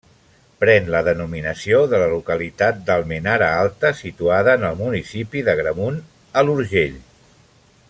Pren la denominació de la localitat d'Almenara Alta, situada en el municipi d'Agramunt, a l'Urgell.